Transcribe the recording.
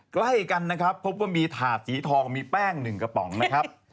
ใกล้กันนะครับพบว่ามีถาดสีทองมีแป้ง๑กระป๋องนะครับ